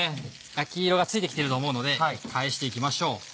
焼き色がついてきてると思うので返していきましょう。